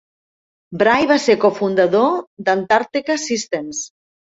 Bray va ser cofundador d'Antarctica Systems.